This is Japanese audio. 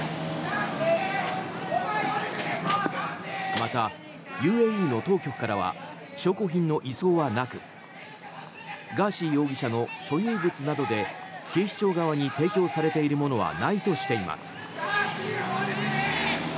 また、ＵＡＥの当局からは証拠品の移送はなくガーシー容疑者の所有物などで警視庁側に提供されているものはないとしています。